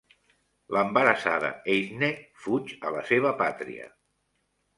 L'embarassada Eithne fuig a la seva pàtria.